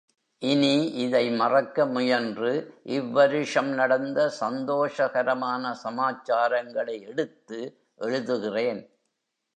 இனி, இதை மறக்க முயன்று இவ்வருஷம் நடந்த சந்தோஷகரமான சமாச்சாரங்களை எடுத்து எழுதுகிறேன்.